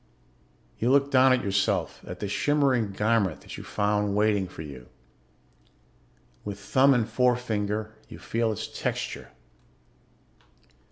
You look down at yourself, at the shimmering garment that you found waiting for you. With thumb and forefinger you feel its texture.